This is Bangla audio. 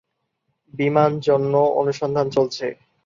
বিমান জন্য অনুসন্ধান চলছে।